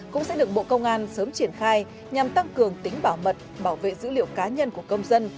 cũng sẽ được bộ công an sớm triển khai nhằm tăng cường tính bảo mật bảo vệ dữ liệu cá nhân của công dân